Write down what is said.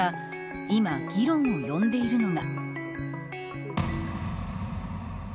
今、議論を呼んでいるのが。